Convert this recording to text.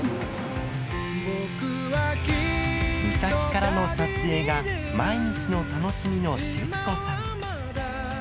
岬からの撮影が毎日の楽しみの節子さん。